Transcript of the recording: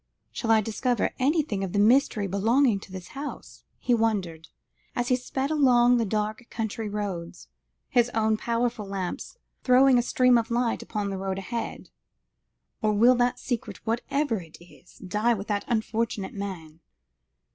"Shall I discover anything of the mystery belonging to the house?" he wondered, as he sped along the dark country roads, his own powerful lamps throwing a stream of light upon the road ahead; "or will the secret, whatever it is, die with that unfortunate man?